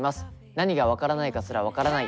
何が分からないかすら分からない